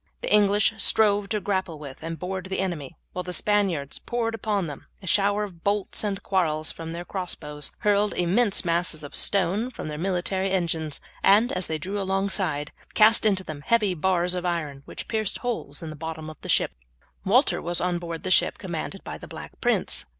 The English strove to grapple with and board the enemy, while the Spaniards poured upon them a shower of bolts and quarrels from their cross bows, hurled immense masses of stone from their military engines, and, as they drew alongside, cast into them heavy bars of iron, which pierced holes in the bottom of the ship. Walter was on board the ship commanded by the Black Prince.